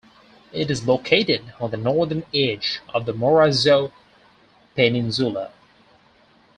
It is located on the northern edge of the Morrazo peninsula.